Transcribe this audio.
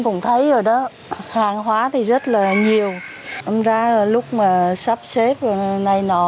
cũng thấy rồi đó hàng hóa thì rất là nhiều nói ra là lúc mà sắp xếp rồi này nọ